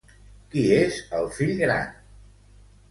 Qui és el fill gran?